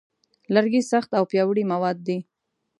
لرګی سخت او پیاوړی مواد دی.